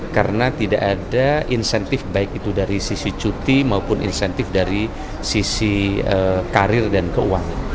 karena tidak ada insentif baik itu dari sisi cuti maupun insentif dari sisi karir dan keuangan